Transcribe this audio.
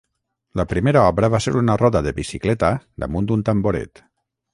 La primera obra va ser una roda de bicicleta damunt un tamboret.